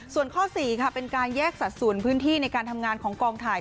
ส่วนข้อ๔ค่ะเป็นการแยกสัดส่วนพื้นที่ในการทำงานของกองถ่าย